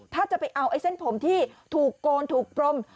ถ้าจะไปเอาไอ้เส้นผมที่ถูกโกนถูกพรม